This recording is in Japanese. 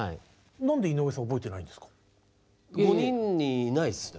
何で井上さん覚えてないんですか？